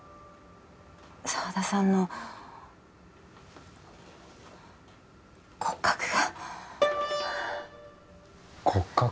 沢田さんの骨格が骨格？